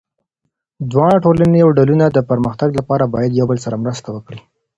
دواړه ټولني او ډلونه د پرمختګ لپاره باید یو بل سره مرسته وکړي.